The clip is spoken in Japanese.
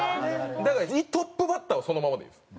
だからトップバッターはそのままでいいです。